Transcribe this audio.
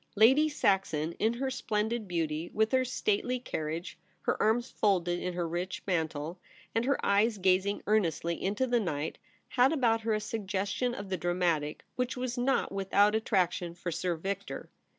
Lady Saxon in her splendid beauty, with her stately carriage, her arms folded in her rich mantle, and her eyes gazing earnestly into the night, had about her a suggestion of the dramatic which was not without attraction for Sir Victor.